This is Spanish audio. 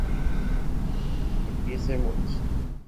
partiésemos